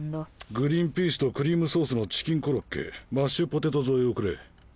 グリンピースとクリームソースのチキンコロッケマッシュポテト添えをくれ。